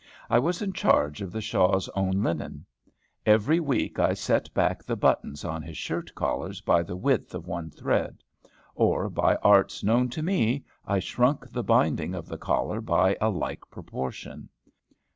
I was in charge of the shah's own linen. Every week, I set back the buttons on his shirt collars by the width of one thread; or, by arts known to me, I shrunk the binding of the collar by a like proportion.